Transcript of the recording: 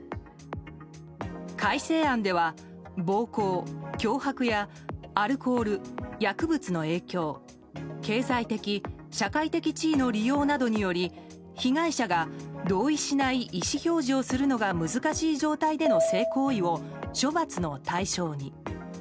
改正案では、暴行・脅迫やアルコール・薬物の影響経済的・社会的地位の利用などにより被害者が同意しない意思表示をするのが難しい状態での性行為を処罰の対象に。